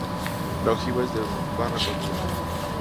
La ojiva es de barra continua.